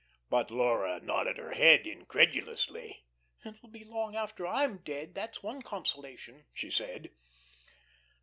But Laura nodded her head incredulously. "It will be long after I am dead that's one consolation," she said.